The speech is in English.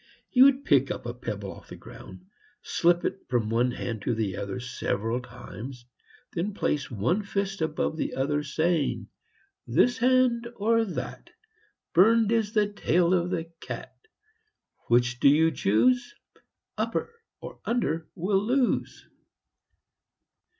He would pick up a pebble off the ground, slip it from one hand to the other several times, then place one fist above the other, saying: "This hand, or that? Burned is the tail of the cat. Which do you choose? Upper or under will lose!"